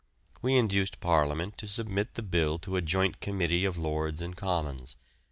We induced Parliament to remit the bill to a joint Committee of Lords and Commons.